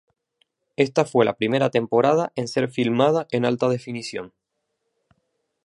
Esta fue la primera temporada en ser filmada en alta definición.